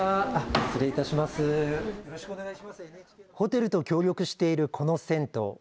ホテルと協力しているこの銭湯。